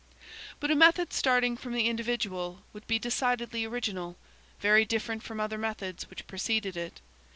But a method starting from the individual would be decidedly original–very different from other methods which preceded it.